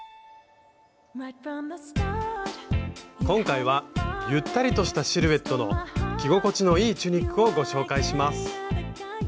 今回はゆったりとしたシルエットの着心地のいいチュニックをご紹介します。